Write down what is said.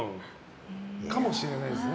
かもしれないですね。